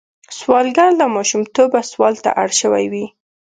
سوالګر له ماشومتوبه سوال ته اړ شوی وي